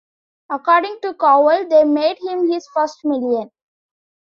According to Cowell, they made him his first million.